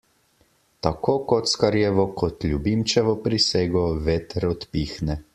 Tako kockarjevo kot ljubimčevo prisego veter odpihne.